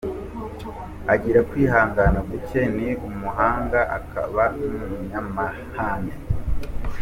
Agira kwihangana gucye, ni umuhanga, akaba n’umunyamahane.